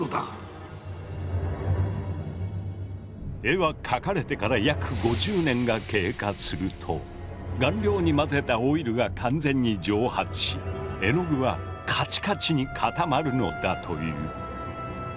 絵は描かれてから約５０年が経過すると顔料に混ぜたオイルが完全に蒸発し絵の具はカチカチに固まるのだという。